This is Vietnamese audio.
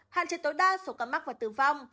hạn chế tối đa số ca mắc và tử vong